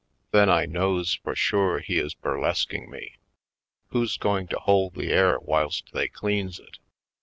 Then I knows for sure he is burlesqueing me. Who's going to hold the air whilst they cleans it?